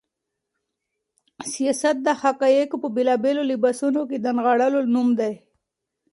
سياست د حقايقو په بېلابېلو لباسونو کې د نغاړلو نوم دی.